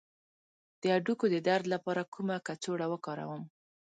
د هډوکو د درد لپاره کومه کڅوړه وکاروم؟